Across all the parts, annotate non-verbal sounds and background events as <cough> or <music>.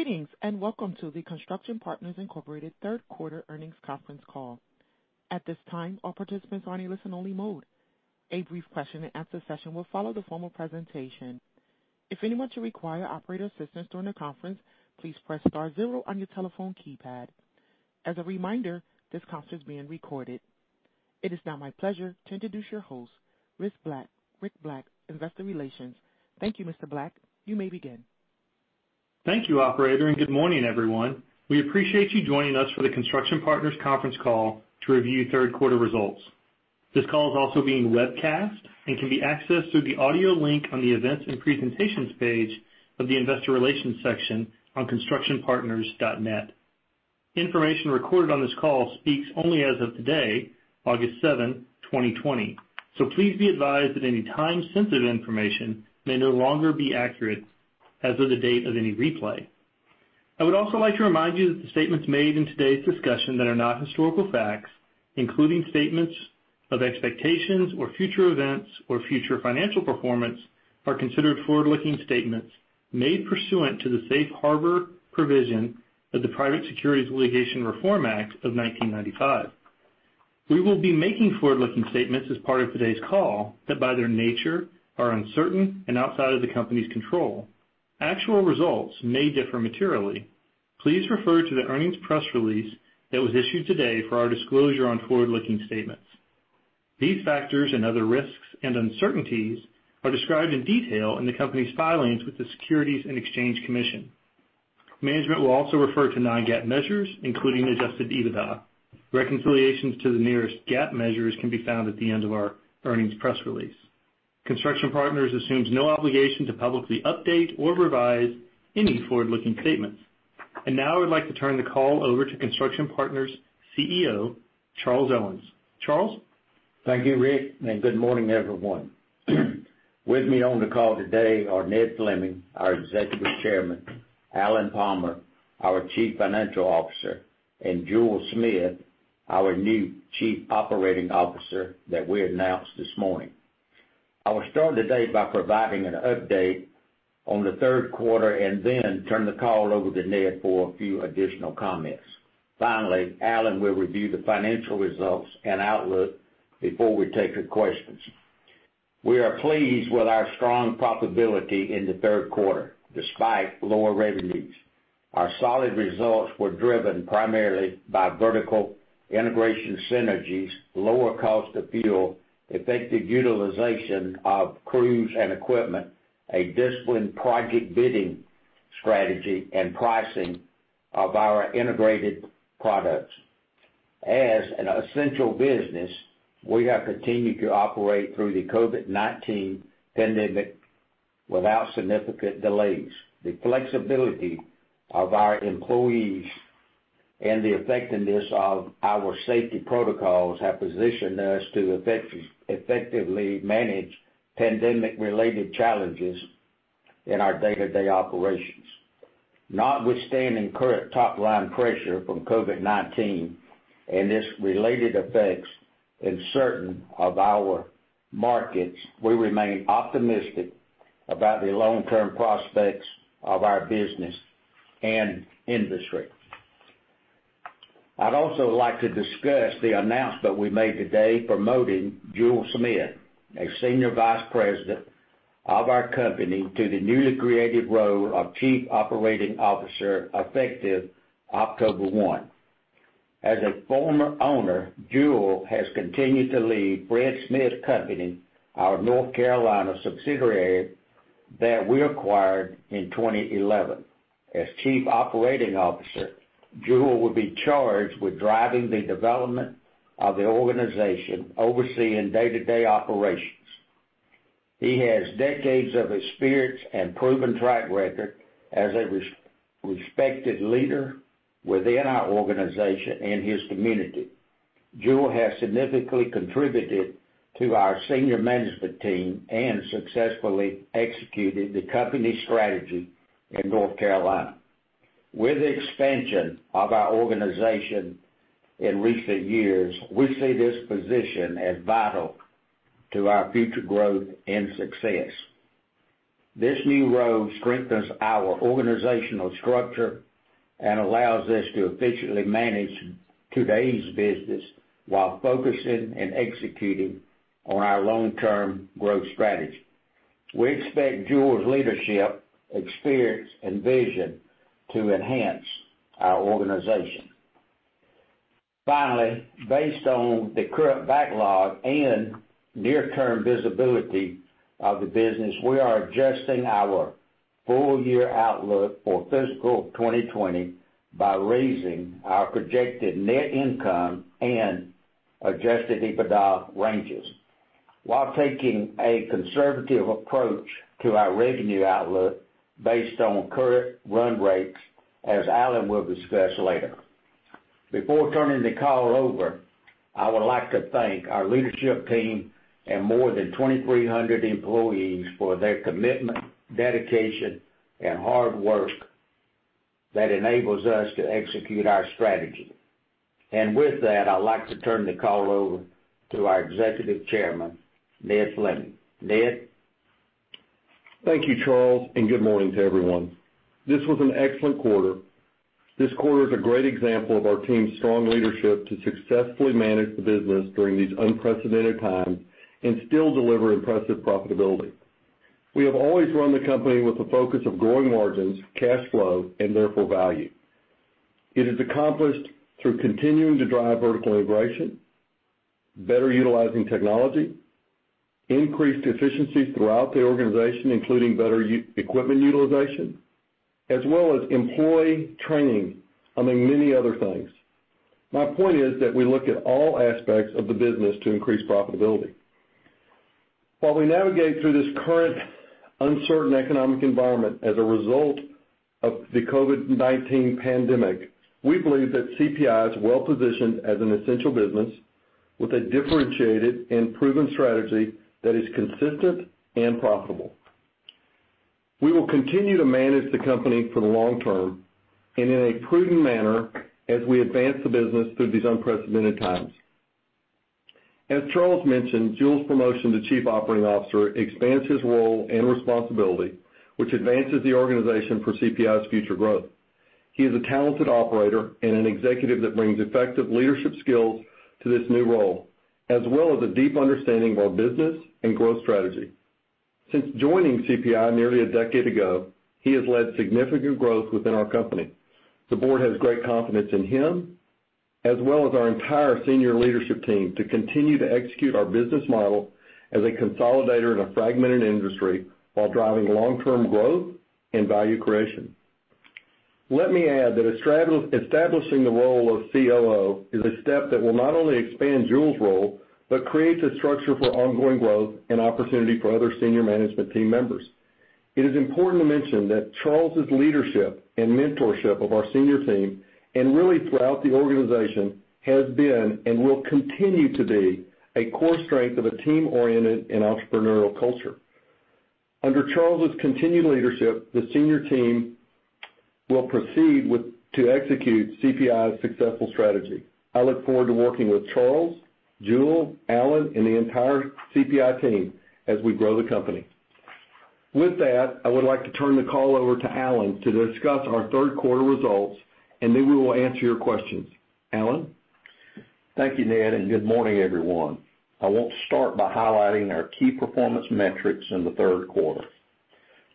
Greetings, welcome to the Construction Partners, Inc. third quarter earnings conference call. At this time, all participants are in a listen-only mode. A brief question-and-answer session will follow the formal presentation. If anyone should require operator assistance during the conference, please press star zero on your telephone keypad. As a reminder, this call is being recorded. It is now my pleasure to introduce your host, Rick Black, investor relations. Thank you, Mr. Black. You may begin. Thank you, operator, and good morning, everyone. We appreciate you joining us for the Construction Partners conference call to review third quarter results. This call is also being webcast and can be accessed through the audio link on the Events and Presentations page of the Investor Relations section on constructionpartners.net. Information recorded on this call speaks only as of today, August seventh, 2020. Please be advised that any time-sensitive information may no longer be accurate as of the date of any replay. I would also like to remind you that the statements made in today's discussion that are not historical facts, including statements of expectations or future events or future financial performance, are considered forward-looking statements made pursuant to the safe harbor provision of the Private Securities Litigation Reform Act of 1995. We will be making forward-looking statements as part of today's call that, by their nature, are uncertain and outside of the company's control. Actual results may differ materially. Please refer to the earnings press release that was issued today for our disclosure on forward-looking statements. These factors and other risks and uncertainties are described in detail in the company's filings with the Securities and Exchange Commission. Management will also refer to non-GAAP measures, including adjusted EBITDA. Reconciliations to the nearest GAAP measures can be found at the end of our earnings press release. Construction Partners assumes no obligation to publicly update or revise any forward-looking statements. Now I would like to turn the call over to Construction Partners' CEO, Charles Owens. Charles? Thank you, Rick, and good morning, everyone. With me on the call today are Ned Fleming, our Executive Chairman, Alan Palmer, our Chief Financial Officer, and Jule Smith, our new Chief Operating Officer that we announced this morning. I will start today by providing an update on the third quarter and then turn the call over to Ned for a few additional comments. Finally, Alan will review the financial results and outlook before we take the questions. We are pleased with our strong profitability in the third quarter, despite lower revenues. Our solid results were driven primarily by vertical integration synergies, lower cost of fuel, effective utilization of crews and equipment, a disciplined project bidding strategy, and pricing of our integrated products. As an essential business, we have continued to operate through the COVID-19 pandemic without significant delays. The flexibility of our employees and the effectiveness of our safety protocols have positioned us to effectively manage pandemic-related challenges in our day-to-day operations. Notwithstanding current top-line pressure from COVID-19 and its related effects in certain of our markets, we remain optimistic about the long-term prospects of our business and industry. I'd also like to discuss the announcement we made today promoting Jule Smith, a Senior Vice President of our company, to the newly created role of Chief Operating Officer, effective October 1. As a former owner, Jule has continued to lead Fred Smith Company, our North Carolina subsidiary that we acquired in 2011. As Chief Operating Officer, Jule will be charged with driving the development of the organization, overseeing day-to-day operations. He has decades of experience and proven track record as a respected leader within our organization and his community. Jule has significantly contributed to our senior management team and successfully executed the company strategy in North Carolina. With the expansion of our organization in recent years, we see this position as vital to our future growth and success. This new role strengthens our organizational structure and allows us to efficiently manage today's business while focusing and executing on our long-term growth strategy. We expect Jule's leadership, experience, and vision to enhance our organization. Finally, based on the current backlog and near-term visibility of the business, we are adjusting our full-year outlook for fiscal 2020 by raising our projected net income and adjusted EBITDA ranges while taking a conservative approach to our revenue outlook based on current run rates, as Alan will discuss later. Before turning the call over, I would like to thank our leadership team and more than 2,300 employees for their commitment, dedication, and hard work that enables us to execute our strategy. With that, I'd like to turn the call over to our Executive Chairman, Ned Fleming. Ned? Thank you, Charles, and good morning to everyone. This was an excellent quarter. This quarter is a great example of our team's strong leadership to successfully manage the business during these unprecedented times and still deliver impressive profitability. We have always run the company with a focus on growing margins, cash flow, and therefore value. It is accomplished through continuing to drive vertical integration, better utilizing technology, increased efficiencies throughout the organization, including better equipment utilization, as well as employee training, among many other things. My point is that we look at all aspects of the business to increase profitability. While we navigate through this current uncertain economic environment as a result of the COVID-19 pandemic, we believe that CPI is well-positioned as an essential business with a differentiated and proven strategy that is consistent and profitable. We will continue to manage the company for the long term and in a prudent manner as we advance the business through these unprecedented times. As Charles mentioned, Jule's promotion to Chief Operating Officer expands his role and responsibility, which advances the organization for CPI's future growth. He is a talented operator and an executive that brings effective leadership skills to this new role, as well as a deep understanding of our business and growth strategy. Since joining CPI nearly a decade ago, he has led significant growth within our company. The board has great confidence in him, as well as our entire senior leadership team, to continue to execute our business model as a consolidator in a fragmented industry while driving long-term growth and value creation. Let me add that establishing the role of COO is a step that will not only expand Jule's role, but creates a structure for ongoing growth and opportunity for other senior management team members. It is important to mention that Charles' leadership and mentorship of our senior team, and really throughout the organization, has been and will continue to be a core strength of a team-oriented and entrepreneurial culture. Under Charles' continued leadership, the senior team will proceed to execute CPI's successful strategy. I look forward to working with Charles, Jule, Alan, and the entire CPI team as we grow the company. With that, I would like to turn the call over to Alan to discuss our third quarter results, and then we will answer your questions. Alan? Thank you, Ned, and good morning, everyone. I want to start by highlighting our key performance metrics in the third quarter.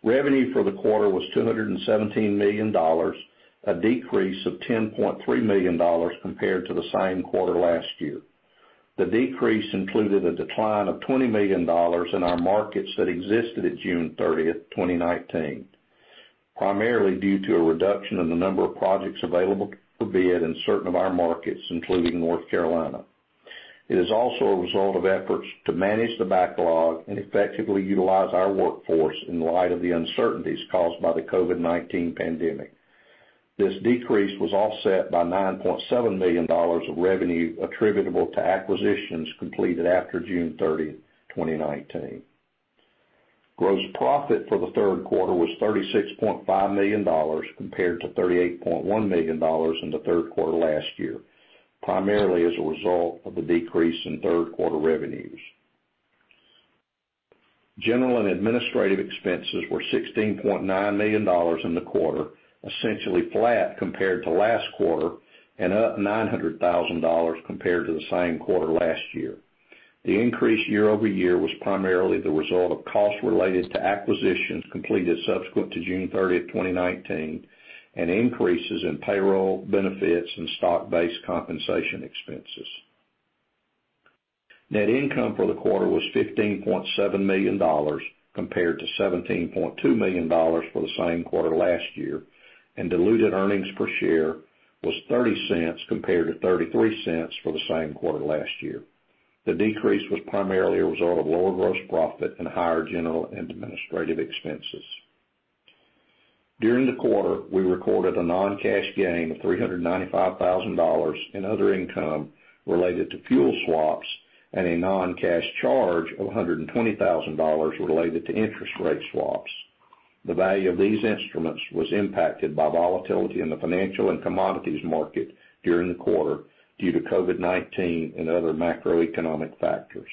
Revenue for the quarter was $217 million, a decrease of $10.3 million compared to the same quarter last year. The decrease included a decline of $20 million in our markets that existed at June 30, 2019, primarily due to a reduction in the number of projects available for bid in certain of our markets, including North Carolina. It is also a result of efforts to manage the backlog and effectively utilize our workforce in light of the uncertainties caused by the COVID-19 pandemic. This decrease was offset by $9.7 million of revenue attributable to acquisitions completed after June 30, 2019. Gross profit for the third quarter was $36.5 million, compared to $38.1 million in the third quarter last year, primarily as a result of the decrease in third-quarter revenues. General and administrative expenses were $16.9 million in the quarter, essentially flat compared to last quarter, and up $900,000 compared to the same quarter last year. The increase year-over-year was primarily the result of costs related to acquisitions completed subsequent to June 30th, 2019, and increases in payroll benefits and stock-based compensation expenses. Net income for the quarter was $15.7 million, compared to $17.2 million for the same quarter last year, and diluted earnings per share was $0.30 compared to $0.33 for the same quarter last year. The decrease was primarily a result of lower gross profit and higher general and administrative expenses. During the quarter, we recorded a non-cash gain of $395,000 in other income related to fuel swaps and a non-cash charge of $120,000 related to interest rate swaps. The value of these instruments was impacted by volatility in the financial and commodities market during the quarter due to COVID-19 and other macroeconomic factors.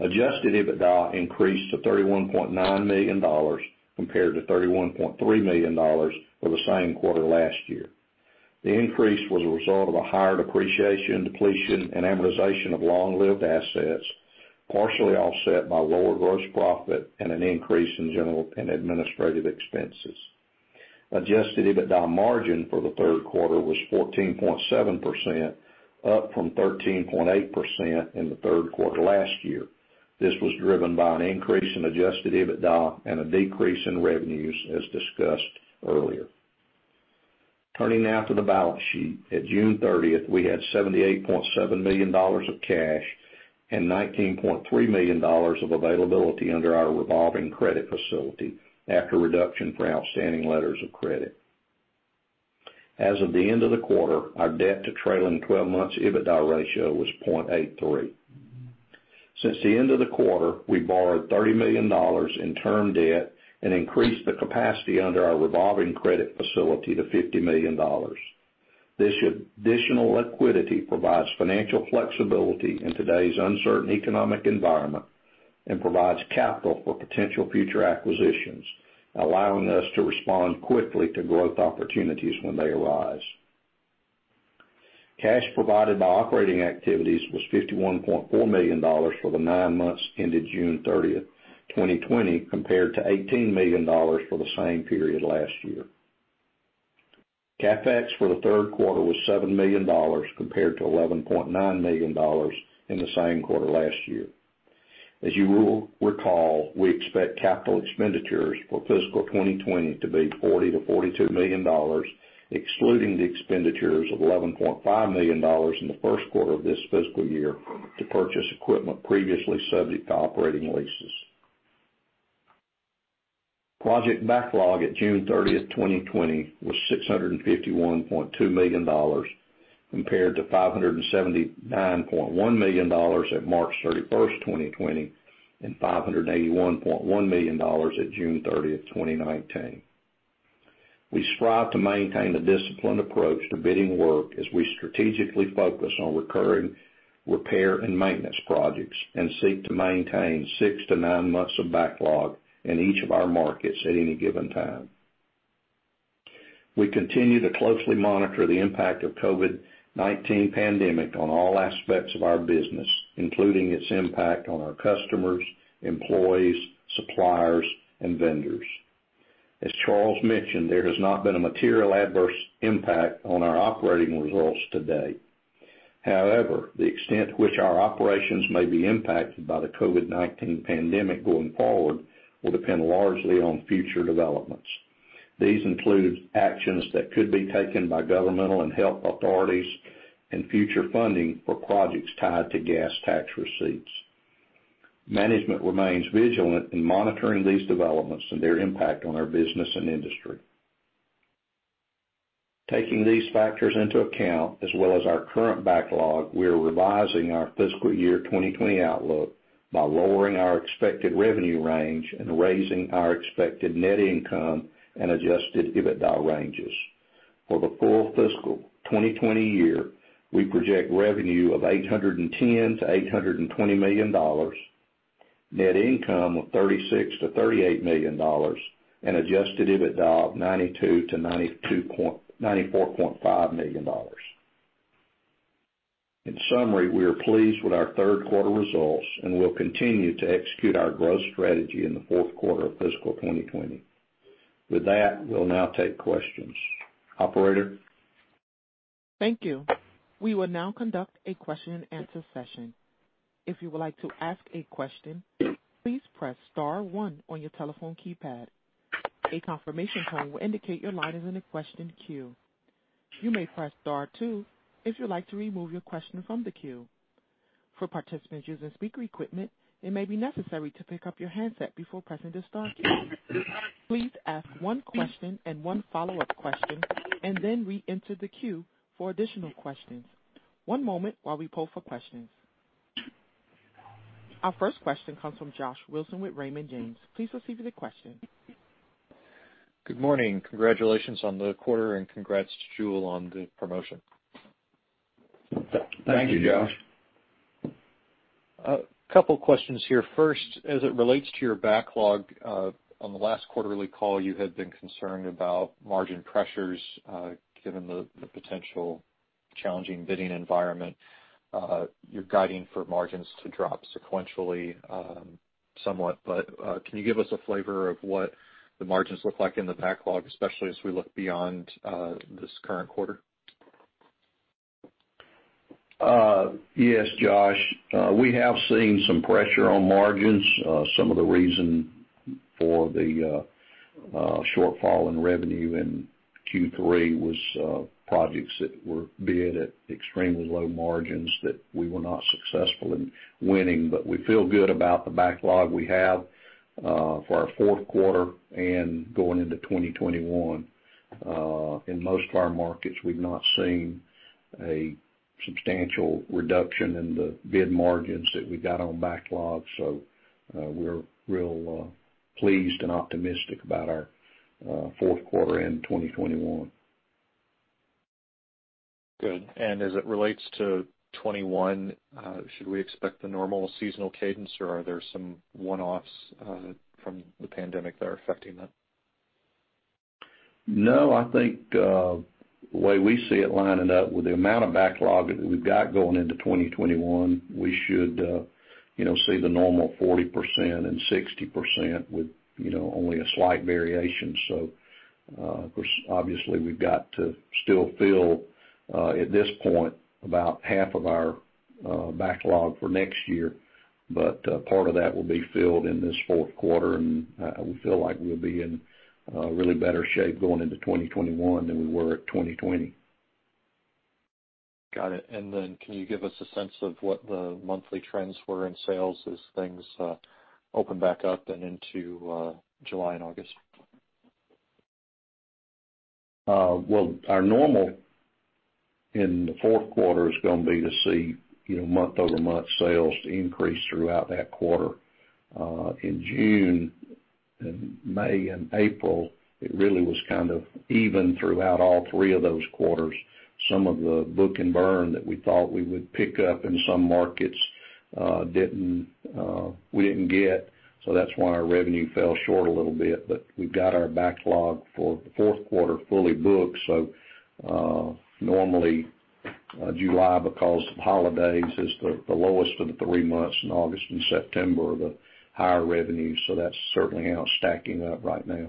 Adjusted EBITDA increased to $31.9 million compared to $31.3 million for the same quarter last year. The increase was a result of a higher depreciation, depletion, and amortization of long-lived assets, partially offset by lower gross profit and an increase in general and administrative expenses. Adjusted EBITDA margin for the third quarter was 14.7%, up from 13.8% in the third quarter last year. This was driven by an increase in adjusted EBITDA and a decrease in revenues, as discussed earlier. Turning now to the balance sheet. At June 30th, we had $78.7 million of cash and $19.3 million of availability under our revolving credit facility after reduction for outstanding letters of credit. As of the end of the quarter, our debt to trailing 12 months EBITDA ratio was 0.83. Since the end of the quarter, we borrowed $30 million in term debt and increased the capacity under our revolving credit facility to $50 million. This additional liquidity provides financial flexibility in today's uncertain economic environment and provides capital for potential future acquisitions, allowing us to respond quickly to growth opportunities when they arise. Cash provided by operating activities was $51.4 million for the nine months ended June 30th, 2020, compared to $18 million for the same period last year. CapEx for the third quarter was $7 million compared to $11.9 million in the same quarter last year. As you will recall, we expect capital expenditures for fiscal 2020 to be $40 million-$42 million, excluding the expenditures of $11.5 million in the first quarter of this fiscal year to purchase equipment previously subject to operating leases. Project backlog at June 30th, 2020, was $651.2 million compared to $579.1 million at March 31st, 2020, and $581.1 million at June 30th, 2019. We strive to maintain a disciplined approach to bidding work as we strategically focus on recurring repair and maintenance projects and seek to maintain six to nine months of backlog in each of our markets at any given time. We continue to closely monitor the impact of COVID-19 pandemic on all aspects of our business, including its impact on our customers, employees, suppliers, and vendors. As Charles mentioned, there has not been a material adverse impact on our operating results to date. However, the extent to which our operations may be impacted by the COVID-19 pandemic going forward will depend largely on future developments. These include actions that could be taken by governmental and health authorities and future funding for projects tied to gas tax receipts. Management remains vigilant in monitoring these developments and their impact on our business and industry. Taking these factors into account as well as our current backlog, we are revising our fiscal year 2020 outlook by lowering our expected revenue range and raising our expected net income and adjusted EBITDA ranges. For the full fiscal 2020 year, we project revenue of $810 million-$820 million, net income of $36 million-$38 million, and adjusted EBITDA of $92 million-$94.5 million. In summary, we are pleased with our third quarter results, and we will continue to execute our growth strategy in the fourth quarter of fiscal 2020. With that, we'll now take questions. Operator? Thank you. We will now conduct a question-and-answer session. If you would like to ask a question, please press star one on your telephone keypad. A confirmation tone will indicate your line is in the question queue. You may press star two if you'd like to remove your question from the queue. For participation of speaker equipment it may be necessary to pick up your handset before pressing the star key. Please ask one question and one follow up question, and then re-enter the queue for additional questions. One moment while we poll for questions. Our first question comes from Josh Wilson with Raymond James. Please proceed with the question. Good morning. Congratulations on the quarter, and congrats to Jule on the promotion. Thank you, Josh. A couple of questions here. As it relates to your backlog, on the last quarterly call, you had been concerned about margin pressures, given the potential challenging bidding environment. You're guiding for margins to drop sequentially somewhat, but can you give us a flavor of what the margins look like in the backlog, especially as we look beyond this current quarter? Yes, Josh. We have seen some pressure on margins. Some of the reason for the shortfall in revenue in Q3 was projects that were bid at extremely low margins that we were not successful in winning. We feel good about the backlog we have for our fourth quarter and going into 2021. In most of our markets, we've not seen a substantial reduction in the bid margins that we got on backlog. We're real pleased and optimistic about our fourth quarter and 2021. Good. As it relates to 2021, should we expect the normal seasonal cadence, or are there some one-offs from the pandemic that are affecting that? No, I think the way we see it lining up with the amount of backlog that we've got going into 2021, we should see the normal 40% and 60% with only a slight variation. Of course, obviously we've got to still fill, at this point, about half of our backlog for next year, but part of that will be filled in this fourth quarter, and we feel like we'll be in really better shape going into 2021 than we were at 2020. Got it. Can you give us a sense of what the monthly trends were in sales as things opened back up and into July and August? Well, our normal in the fourth quarter is going to be to see month-over-month sales increase throughout that quarter. In June and May and April, it really was kind of even throughout all three of those quarters. Some of the book-and-burn that we thought we would pick up in some markets, we didn't get. That's why our revenue fell short a little bit. We've got our backlog for the fourth quarter fully booked, so normally July, because of holidays, is the lowest of the three months, and August and September are the higher revenues. That's certainly how it's stacking up right now.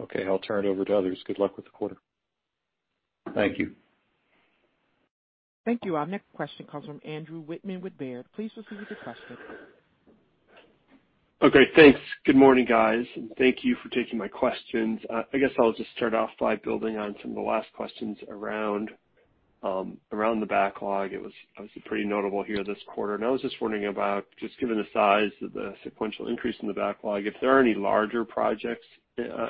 Okay. I'll turn it over to others. Good luck with the quarter. Thank you. Thank you. Our next question comes from Andrew Wittmann with Baird. Please proceed with your question. Okay, thanks. Good morning, guys. Thank you for taking my questions. I guess I'll just start off by building on some of the last questions around the backlog. It was pretty notable here this quarter, and I was just wondering about, just given the size of the sequential increase in the backlog, if there are any larger projects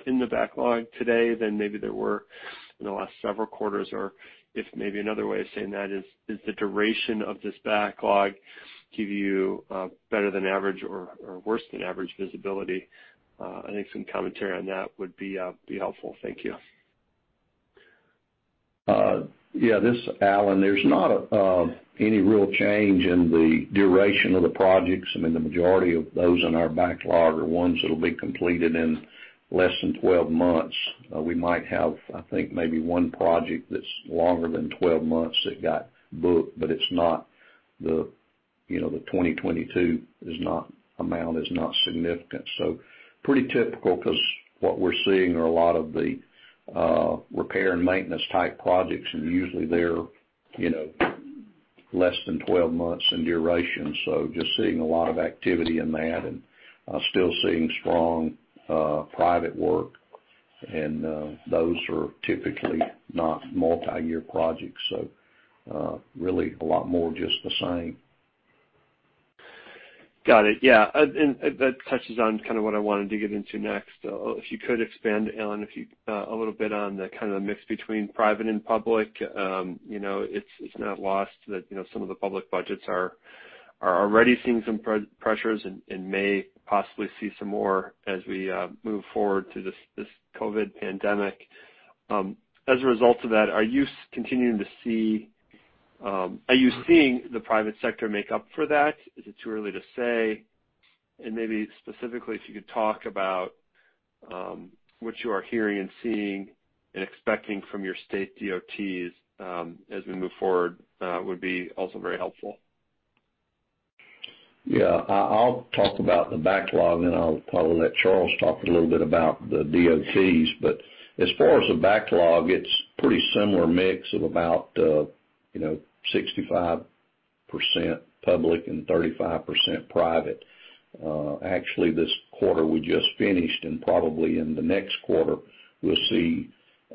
in the backlog today than maybe there were in the last several quarters? If maybe another way of saying that is, does the duration of this backlog give you better than average or worse than average visibility? I think some commentary on that would be helpful. Thank you. Yeah. This is Alan. There's not any real change in the duration of the projects. I mean, the majority of those in our backlog are ones that'll be completed in less than 12 months. We might have, I think, maybe one project that's longer than 12 months that got booked, the 2022 amount is not significant. Pretty typical, because what we're seeing are a lot of the repair and maintenance type projects, and usually they're less than 12 months in duration. Just seeing a lot of activity in that and still seeing strong private work, and those are typically not multi-year projects, really a lot more just the same. Got it. Yeah. That touches on kind of what I wanted to get into next. If you could expand, Alan, a little bit on the kind of the mix between private and public. It's not lost that some of the public budgets are already seeing some pressures and may possibly see some more as we move forward through this COVID-19 pandemic. As a result of that, are you seeing the private sector make up for that? Is it too early to say? Maybe specifically, if you could talk about what you are hearing and seeing and expecting from your state DOTs as we move forward would be also very helpful. Yeah. I'll talk about the backlog, then I'll probably let Charles talk a little bit about the DOTs. As far as the backlog, it's pretty similar mix of about 65% public and 35% private. Actually, this quarter we just finished, and probably in the next quarter, we'll see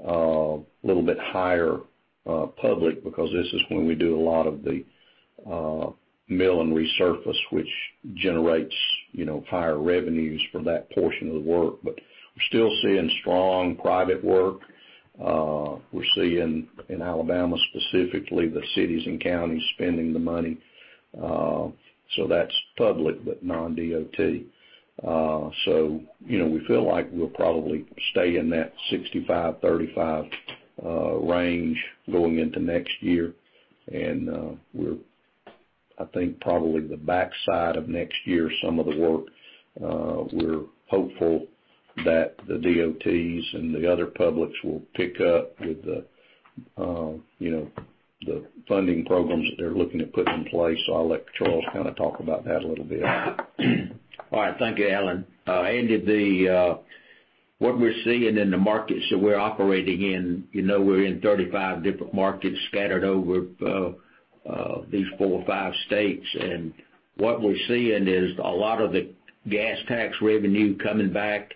a little bit higher public because this is when we do a lot of the mill and resurface, which generates higher revenues for that portion of the work. We're still seeing strong private work. We're seeing in Alabama specifically, the cities and counties spending the money. That's public, but non-DOT. We feel like we'll probably stay in that 65/35 range going into next year. I think probably the backside of next year, some of the work, we're hopeful that the DOTs and the other publics will pick up with the funding programs that they're looking to put in place. I'll let Charles kind of talk about that a little bit. All right. Thank you, Alan. Andy, what we're seeing in the markets that we're operating in, we're in 35 different markets scattered over these four or five states, and what we're seeing is a lot of the gas tax revenue coming back.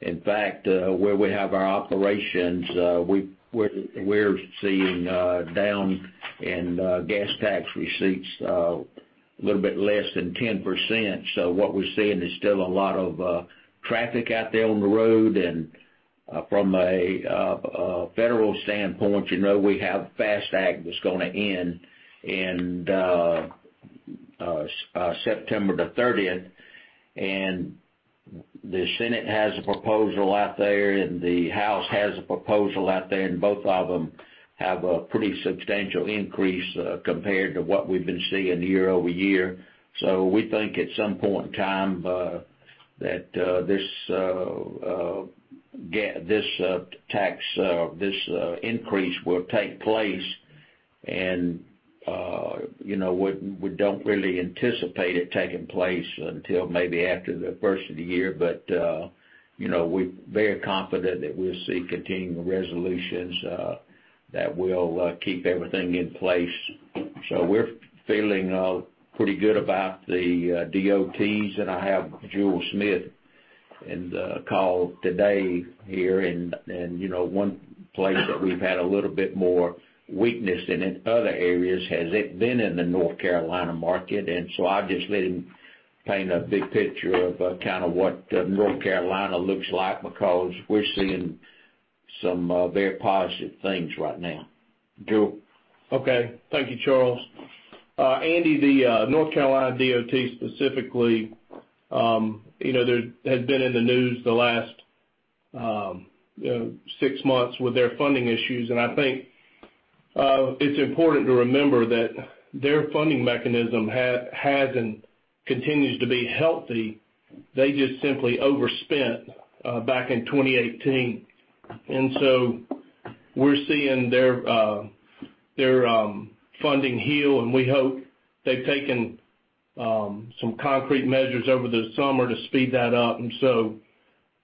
In fact, where we have our operations, we're seeing down in gas tax receipts a little bit less than 10%. What we're seeing is still a lot of traffic out there on the road. From a federal standpoint, we have FAST Act that's going to end in September 30th, and the Senate has a proposal out there, and the House has a proposal out there, and both of them have a pretty substantial increase compared to what we've been seeing year-over-year. We think at some point in time that this increase will take place, and we don't really anticipate it taking place until maybe after the first of the year. We're very confident that we'll see continuing resolutions that will keep everything in place. We're feeling pretty good about the DOTs. I have Jule Smith in the call today here, and one place that we've had a little bit more weakness in other areas has been in the North Carolina market. I'll just let him paint a big picture of kind of what North Carolina looks like, because we're seeing some very positive things right now. Jule? Okay. Thank you, Charles. Andy, the North Carolina DOT specifically, has been in the news the last six months with their funding issues, I think it's important to remember that their funding mechanism has and continues to be healthy. They just simply overspent back in 2018. We're seeing their funding heal, and we hope they've taken some concrete measures over the summer to speed that up.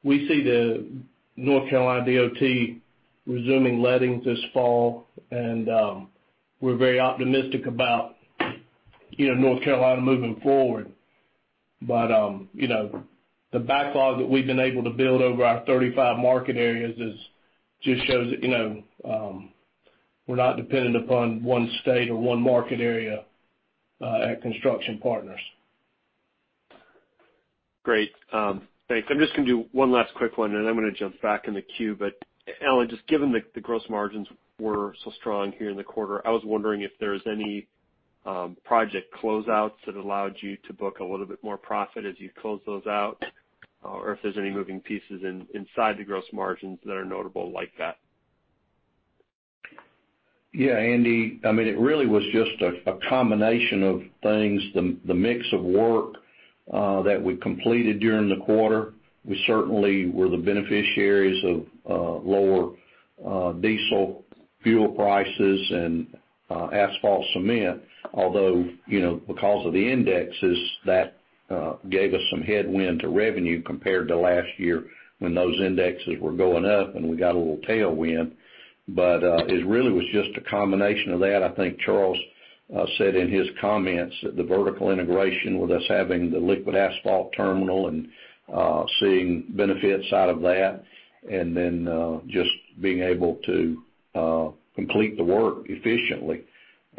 We see the North Carolina DOT resuming lettings this fall, and we're very optimistic about North Carolina moving forward. The backlog that we've been able to build over our 35 market areas just shows that we're not dependent upon one state or one market area at Construction Partners. Great. Thanks. I'm just going to do one last quick one, and then I'm going to jump back in the queue. Alan, just given the gross margins were so strong here in the quarter, I was wondering if there's any project closeouts that allowed you to book a little bit more profit as you closed those out, or if there's any moving pieces inside the gross margins that are notable like that. Yeah, Andy. It really was just a combination of things. The mix of work that we completed during the quarter. We certainly were the beneficiaries of lower diesel fuel prices and asphalt cement. Because of the indexes, that gave us some headwind to revenue compared to last year when those indexes were going up and we got a little tailwind. It really was just a combination of that. I think Charles said in his comments that the vertical integration with us having the liquid asphalt terminal and seeing benefits out of that, and then just being able to complete the work efficiently.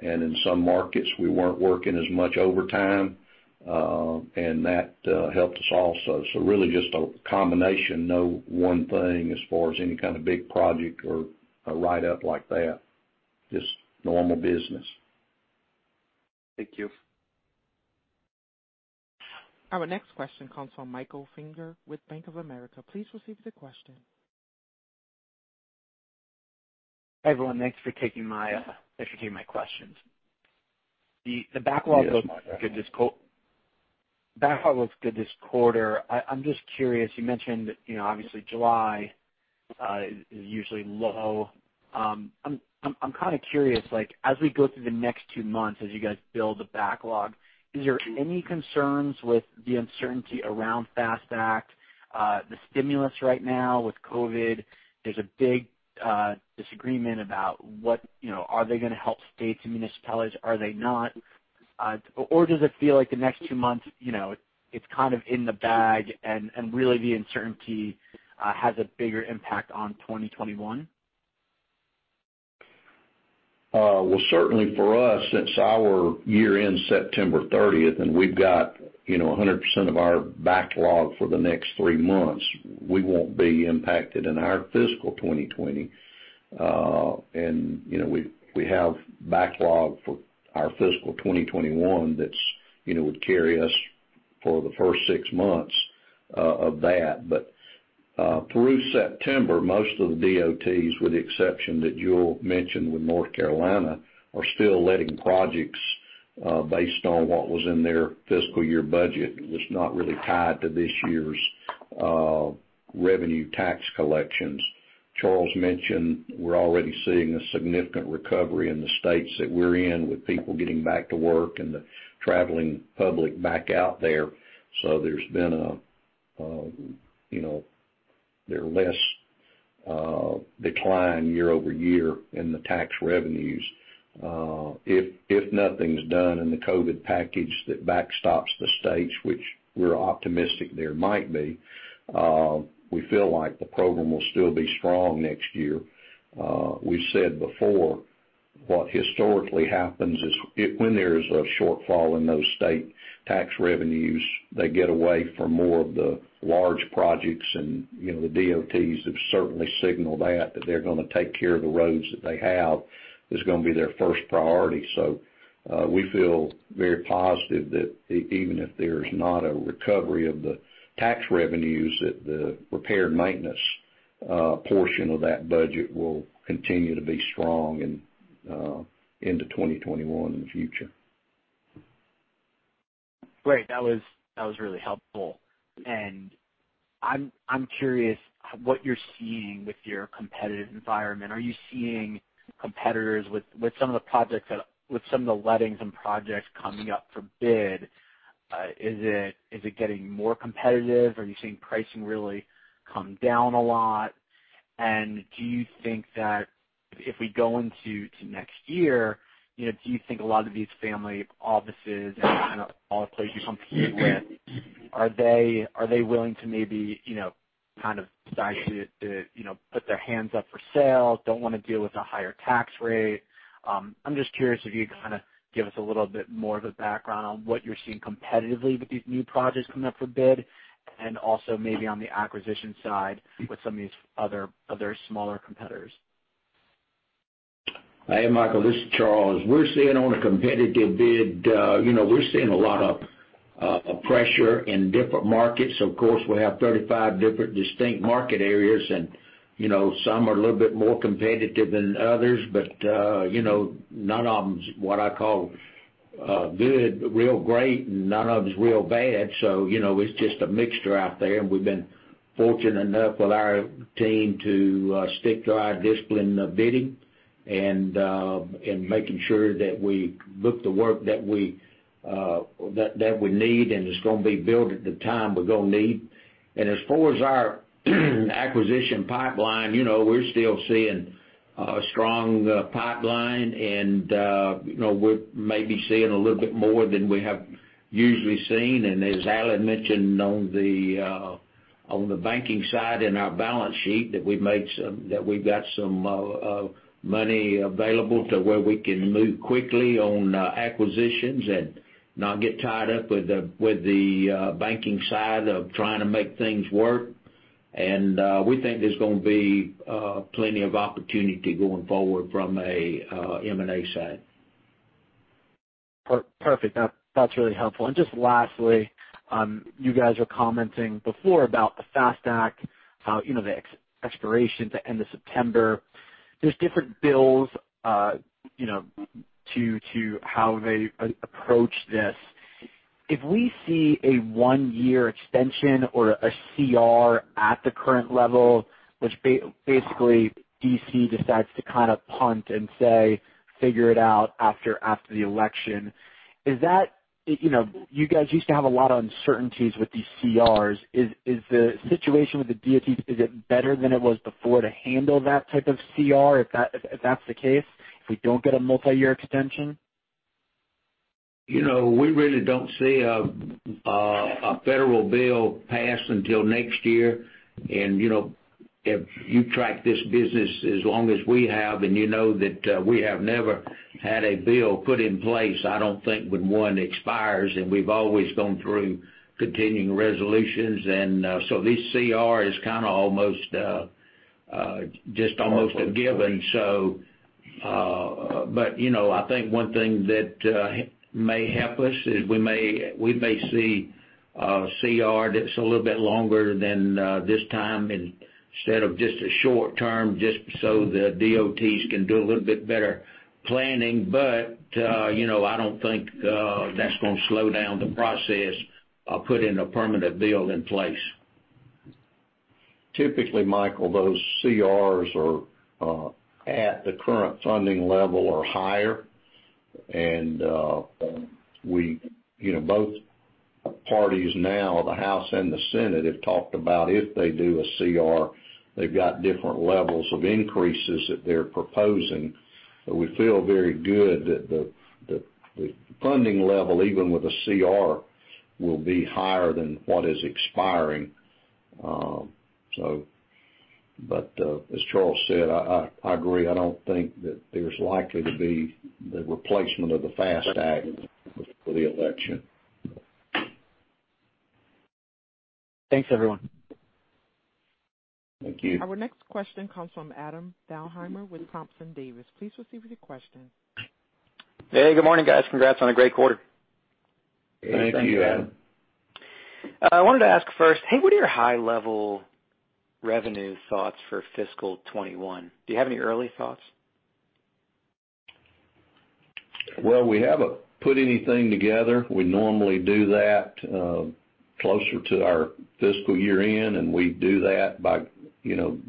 In some markets, we weren't working as much overtime, and that helped us also. Really just a combination. No one thing as far as any kind of big project or a write-up like that. Just normal business. Thank you. Our next question comes from Michael Feniger with Bank of America. Please proceed with your question. Hi, everyone. Thanks for taking my questions. <audio distortion> The backlog looks good this quarter. I'm just curious, you mentioned, obviously July is usually low. I'm kind of curious, as we go through the next two months, as you guys build the backlog, is there any concerns with the uncertainty around FAST Act? The stimulus right now with COVID, there's a big disagreement about are they going to help states and municipalities, are they not? Does it feel like the next two months, it's kind of in the bag, and really the uncertainty has a bigger impact on 2021? Certainly for us, since our year ends September 30th and we've got 100% of our backlog for the next three months, we won't be impacted in our fiscal 2020. We have backlog for our fiscal 2021 that would carry us for the first six months of that. Through September, most of the DOTs, with the exception that Jule mentioned with North Carolina, are still letting projects based on what was in their fiscal year budget, which is not really tied to this year's revenue tax collections. Charles mentioned we're already seeing a significant recovery in the states that we're in, with people getting back to work and the traveling public back out there. There's been a less decline year-over-year in the tax revenues. If nothing's done in the COVID package that backstops the states, which we're optimistic there might be, we feel like the program will still be strong next year. We've said before, what historically happens is when there's a shortfall in those state tax revenues, they get away from more of the large projects. The DOTs have certainly signaled that they're going to take care of the roads that they have. That's going to be their first priority. We feel very positive that even if there's not a recovery of the tax revenues, that the repair and maintenance portion of that budget will continue to be strong into 2021 in the future. Great. That was really helpful. I'm curious what you're seeing with your competitive environment. Are you seeing competitors with some of the lettings and projects coming up for bid? Is it getting more competitive? Are you seeing pricing really come down a lot? Do you think that if we go into next year, do you think a lot of these family offices and kind of all the places you compete with, are they willing to maybe decide to put their hands up for sale, don't want to deal with a higher tax rate? I'm just curious if you kind of give us a little bit more of a background on what you're seeing competitively with these new projects coming up for bid, and also maybe on the acquisition side with some of these other smaller competitors. Hey, Michael, this is Charles. We're seeing on a competitive bid, we're seeing a lot of pressure in different markets. Of course, we have 35 different distinct market areas. Some are a little bit more competitive than others. None of them is what I'd call good, real great. None of them is real bad. It's just a mixture out there. We've been fortunate enough with our team to stick to our discipline of bidding and making sure that we book the work that we need. It's going to be billed at the time we're going to need. As far as our acquisition pipeline, we're still seeing a strong pipeline. We're maybe seeing a little bit more than we have usually seen. As Alan mentioned on the banking side and our balance sheet, that we've got some money available to where we can move quickly on acquisitions and not get tied up with the banking side of trying to make things work. We think there's going to be plenty of opportunity going forward from a M&A side. Perfect. That's really helpful. Just lastly, you guys were commenting before about the FAST Act, the expiration at the end of September. There's different bills to how they approach this. If we see a one-year extension or a CR at the current level, which basically D.C. decides to kind of punt and say, "Figure it out after the election." You guys used to have a lot of uncertainties with these CRs. Is the situation with the DOT better than it was before to handle that type of CR, if that's the case, if we don't get a multi-year extension? We really don't see a federal bill pass until next year. If you track this business as long as we have, you know that we have never had a bill put in place, I don't think when one expires, we've always gone through continuing resolutions. This CR is kind of just almost a given. I think one thing that may help us is we may see a CR that's a little bit longer than this time instead of just a short term, just so the DOTs can do a little bit better planning. I don't think that's going to slow down the process of putting a permanent bill in place. Typically, Michael, those CRs are at the current funding level or higher. Both parties now, the House and the Senate, have talked about if they do a CR, they've got different levels of increases that they're proposing. We feel very good that the funding level, even with a CR, will be higher than what is expiring. As Charles said, I agree. I don't think that there's likely to be the replacement of the FAST Act before the election. Thanks, everyone. Thank you. Our next question comes from Adam Thalhimer with Thompson Davis. Please proceed with your question. Hey, good morning, guys. Congrats on a great quarter. Thank you, Adam. Thank you. I wanted to ask first, hey, what are your high-level revenue thoughts for fiscal 2021? Do you have any early thoughts? Well, we haven't put anything together. We normally do that closer to our fiscal year-end, and we do that by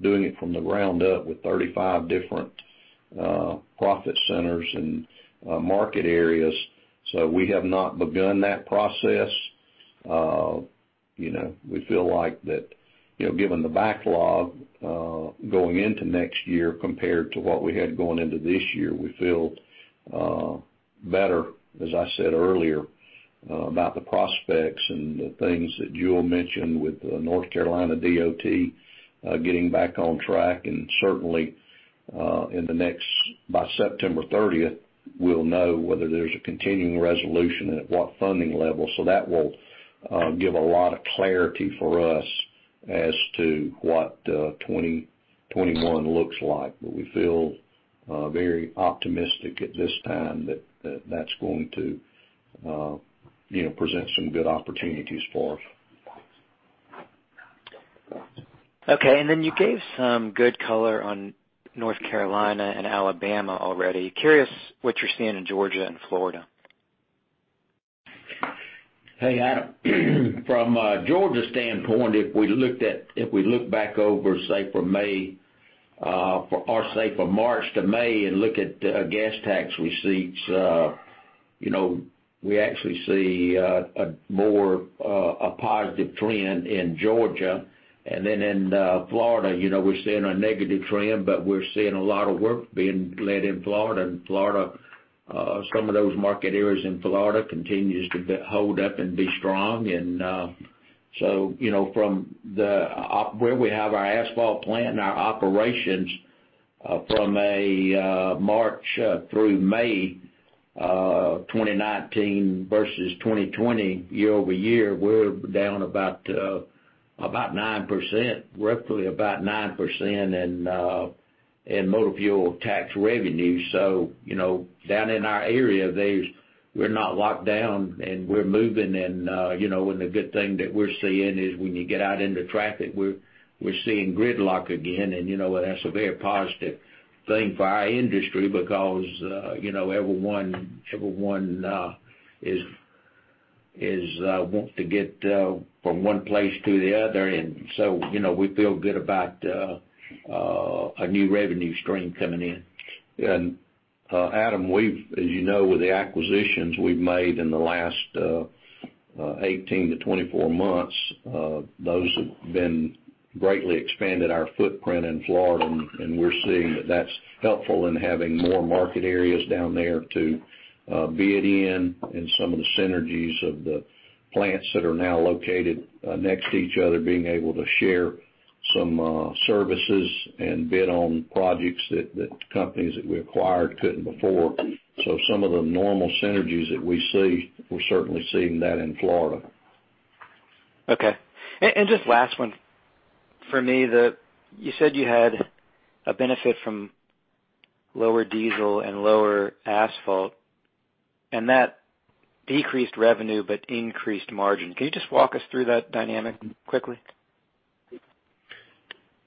doing it from the ground up with 35 different profit centers and market areas. We have not begun that process. We feel like that, given the backlog, going into next year compared to what we had going into this year, we feel better, as I said earlier, about the prospects and the things that Jule mentioned with the North Carolina DOT getting back on track. Certainly, by September 30th, we'll know whether there's a continuing resolution and at what funding level. That will give a lot of clarity for us as to what 2021 looks like. We feel very optimistic at this time that that's going to present some good opportunities for us. Okay. You gave some good color on North Carolina and Alabama already. Curious what you're seeing in Georgia and Florida. Hey, Adam. From a Georgia standpoint, if we look back over, say from March to May and look at gas tax receipts, we actually see a more positive trend in Georgia. In Florida, we're seeing a negative trend, but we're seeing a lot of work being led in Florida. Some of those market areas in Florida continues to hold up and be strong. From where we have our asphalt plant and our operations from March through May 2019 versus 2020 year-over-year, we're down roughly about 9% in motor fuel tax revenue. Down in our area, we're not locked down and we're moving. The good thing that we're seeing is when you get out into traffic, we're seeing gridlock again, and that's a very positive thing for our industry because everyone wants to get from one place to the other. We feel good about a new revenue stream coming in. Adam, as you know, with the acquisitions we've made in the last 18 to 24 months, those have greatly expanded our footprint in Florida. We're seeing that's helpful in having more market areas down there to be it in, and some of the synergies of the plants that are now located next to each other, being able to share some services and bid on projects that the companies that we acquired couldn't before. Some of the normal synergies that we see, we're certainly seeing that in Florida. Okay. Just last one for me, you said you had a benefit from lower diesel and lower asphalt, and that decreased revenue but increased margin. Can you just walk us through that dynamic quickly?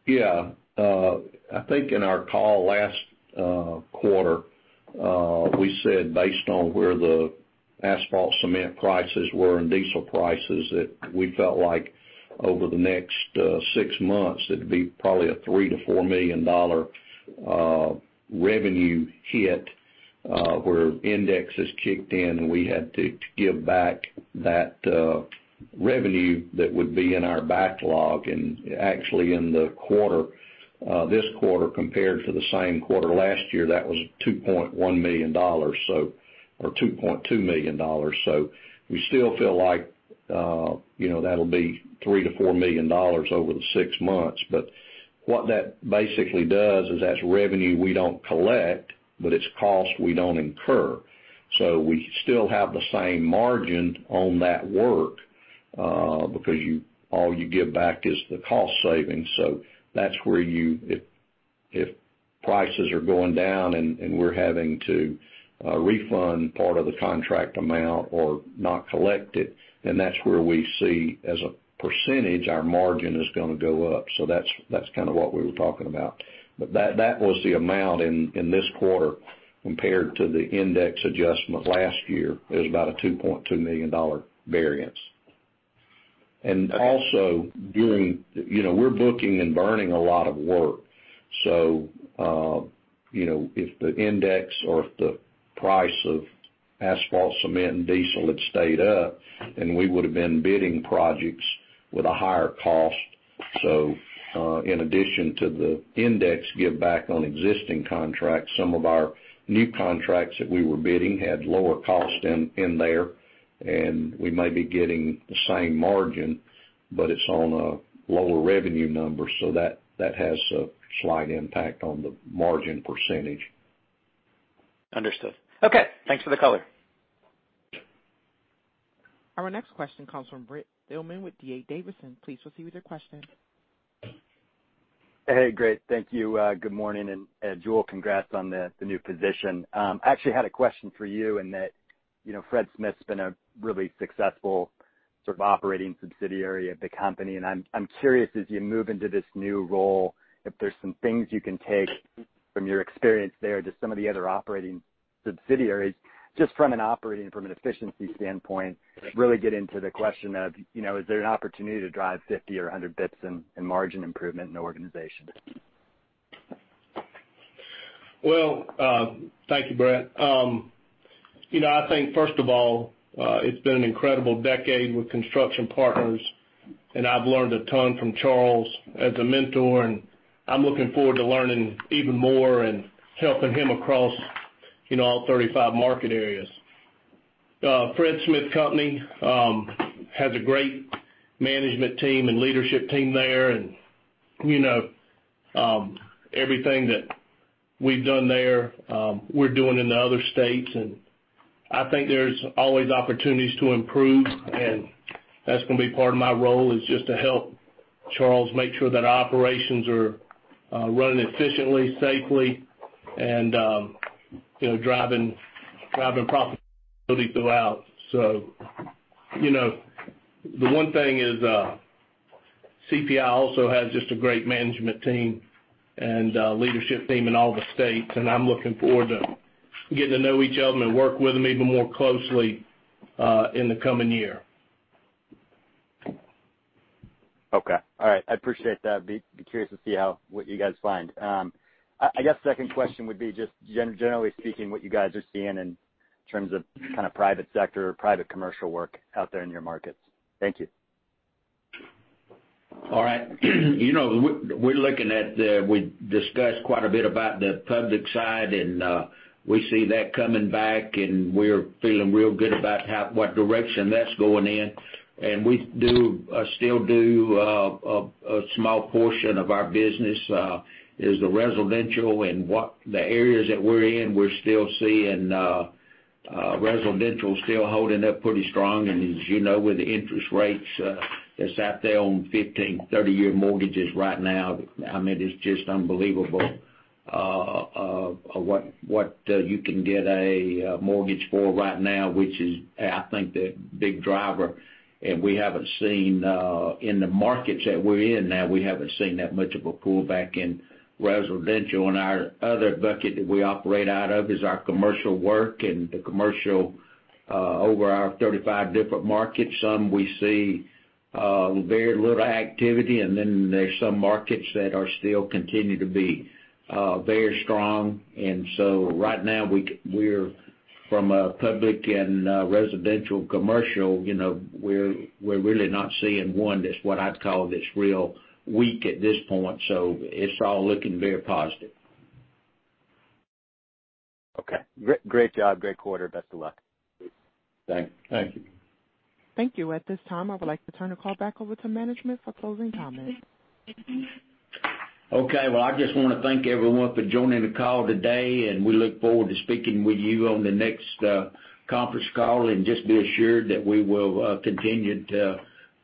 Yeah. I think in our call last quarter, we said based on where the asphalt cement prices were and diesel prices, that we felt like over the next six months, it'd be probably a $3 million-$4 million revenue hit, where indexes kicked in, and we had to give back that revenue that would be in our backlog. Actually, in this quarter compared to the same quarter last year, that was $2.1 million or $2.2 million. We still feel like that'll be $3 million-$4 million over the six months. What that basically does is that's revenue we don't collect, but it's cost we don't incur. We still have the same margin on that work, because all you give back is the cost savings. That's where, if prices are going down and we're having to refund part of the contract amount or not collect it, then that's where we see, as a percentage, our margin is going to go up. That's kind of what we were talking about. That was the amount in this quarter compared to the index adjustment last year, is about a $2.2 million variance. Also, we're book-and-burn a lot of work. If the index or if the price of asphalt, cement, and diesel had stayed up, then we would've been bidding projects with a higher cost. In addition to the index give back on existing contracts, some of our new contracts that we were bidding had lower cost in there, and we may be getting the same margin, but it's on a lower revenue number. That has a slight impact on the margin percentage. Understood. Okay, thanks for the color. Our next question comes from Brent Thielman with D.A. Davidson. Please proceed with your question. Hey, great. Thank you. Good morning, and Jule, congrats on the new position. I actually had a question for you in that, Fred Smith's been a really successful sort of operating subsidiary of the company, and I'm curious as you move into this new role, if there's some things you can take from your experience there to some of the other operating subsidiaries, just from an operating, from an efficiency standpoint, really get into the question of, is there an opportunity to drive 50 or 100 basis points in margin improvement in the organization? Thank you, Brent. I think first of all, it's been an incredible decade with Construction Partners, and I've learned a ton from Charles as a mentor, and I'm looking forward to learning even more and helping him across all 35 market areas. Fred Smith Company has a great management team and leadership team there, and everything that we've done there, we're doing in the other states, and I think there's always opportunities to improve, and that's going to be part of my role is just to help Charles make sure that operations are running efficiently, safely, and driving profitability throughout. The one thing is, CPI also has just a great management team and leadership team in all the states, and I'm looking forward to getting to know each of them and work with them even more closely in the coming year. Okay. All right. I appreciate that. Be curious to see what you guys find. I guess second question would be just generally speaking, what you guys are seeing in terms of kind of private sector or private commercial work out there in your markets. Thank you. All right. We discussed quite a bit about the public side. We see that coming back. We're feeling real good about what direction that's going in. We still do a small portion of our business, is the residential. The areas that we're in, we're still seeing residential still holding up pretty strong. As you know, with the interest rates that's out there on 15, 30-year mortgages right now, I mean, it's just unbelievable, what you can get a mortgage for right now, which is, I think, the big driver. In the markets that we're in now, we haven't seen that much of a pullback in residential. Our other bucket that we operate out of is our commercial work. The commercial, over our 35 different markets, some we see very little activity. There's some markets that still continue to be very strong. Right now, from a public and residential commercial, we're really not seeing one that's what I'd call that's real weak at this point. It's all looking very positive. Okay. Great job. Great quarter. Best of luck. Thanks. Thank you. Thank you. At this time, I would like to turn the call back over to management for closing comments. Well, I just want to thank everyone for joining the call today. We look forward to speaking with you on the next conference call. Just be assured that we will continue to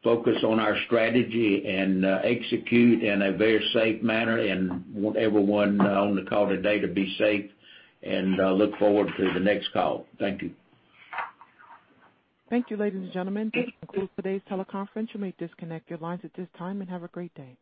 focus on our strategy and execute in a very safe manner. We want everyone on the call today to be safe and look forward to the next call. Thank you. Thank you, ladies and gentlemen. This concludes today's teleconference. You may disconnect your lines at this time, and have a great day.